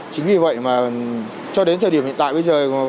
chính vì vậy mà cho đến thời điểm hiện tại bây giờ